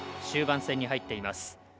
終盤戦に入っています。